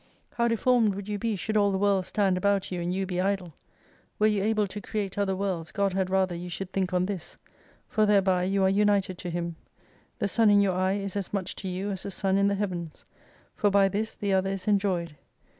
How deformed would you be should all the World stand about you and you be idle : Were you able to create other worlds, God had rather you should think on this. For there by you are united to Him. The sun in your eye is as much to you as the sun in the heavens. For by this the other is enjoyed.